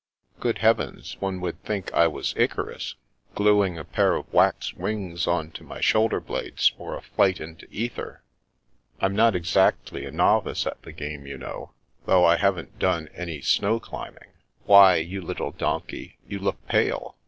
" Good heavens, one would think I was Icarus, gluing a pair of wax wings on to my shoulder blades for a flight into ether. I'm not exactly a novice at the game, you know, though I haven't done any snow climbing. Why, you little donkey, you look pale.